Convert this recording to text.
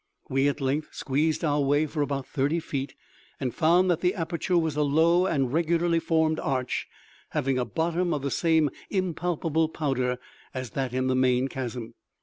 We at length squeezed our way for about thirty feet, and found that the aperture was a low and regularly formed arch, having a bottom of the same impalpable powder as that in the main chasm.